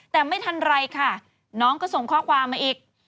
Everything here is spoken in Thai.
แต่ไม่ทันไรค่ะน้องก็ส่งข้อความมาอีก